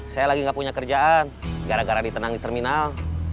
saya lagi gak punya kerjaan gara gara ditenang di terminal